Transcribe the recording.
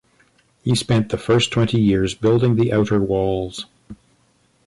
He spent the first twenty years building the outer walls.